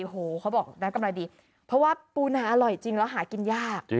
โอ้โหเขาบอกได้กำไรดีเพราะว่าปูนาอร่อยจริงแล้วหากินยาก